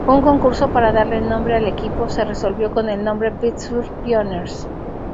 Un concurso para darle nombre al equipo se resolvió con el nombre "Pittsburgh Pioneers".